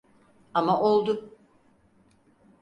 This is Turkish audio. Ama oldu.